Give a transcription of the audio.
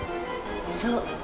そう。